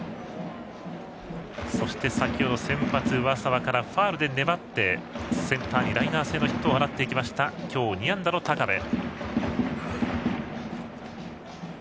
そして先ほど先発、上沢からファウルで粘ってセンターにライナー性を打球を放った今日２安打の高部。